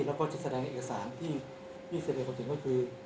แล้วก็จะแสดงเอกสารที่ที่เสียใจของเราจริงก็คือ